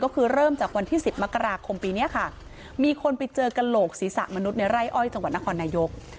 ก็คือเริ่มจากวันที่๑๐มกราคมปีนี้ค่ะมีคนไปเจอกระโหลกศีรษะมนุษย์ในไร่อ้อยจังหวัดนครนายก